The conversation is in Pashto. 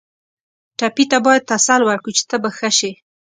ټپي ته باید تسل ورکړو چې ته به ښه شې.